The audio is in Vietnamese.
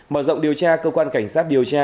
mở rộng điều tra cơ quan cảnh sát điều tra